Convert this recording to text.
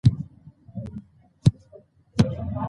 اوږده غرونه د افغانستان د ملي هویت نښه ده.